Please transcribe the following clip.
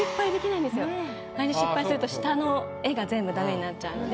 あれで失敗すると下の絵が全部ダメになっちゃうので。